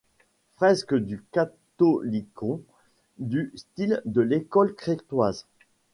Fresques du catholicon, du style de l'école crétoise.